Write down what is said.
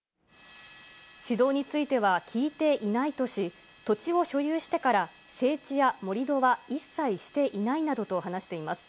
指導については聞いていないとし、土地を所有してから整地や盛り土は一切していないなどと話しています。